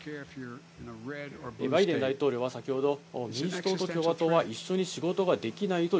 バイデン大統領は先ほど、共和党は一緒に仕事はできないと。